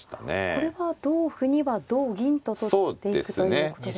これは同歩には同銀と取っていくということですか。